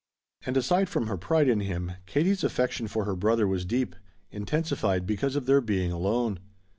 And aside from her pride in him, Katie's affection for her brother was deep, intensified because of their being alone.